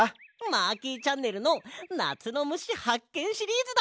マーキーチャンネルの「なつのむしはっけんシリーズ」だ！